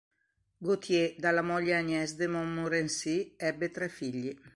Gauthier dalla moglie Agnès de Montmorency ebbe tre figli.